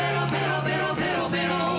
ペロペロペロペロ！